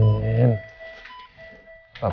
papa sama mama pasti doain selalu